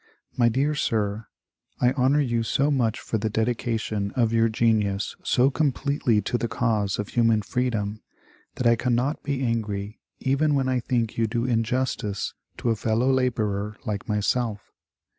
My dear Sir, — I honor you so much for the dedication of your genius so completely to the cause of Human Freedom, that I cannot be angry even when I think you do injustice to a fellow laborer like myself.